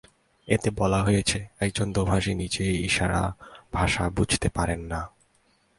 এতে বলা হয়েছে, একজন দোভাষী নিজেই ইশারা ভাষা বুঝতে পারেন না।